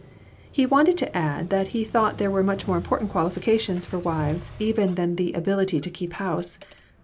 He wanted to add that he thought there were much more important qualifications for wives even than the ability to keep house.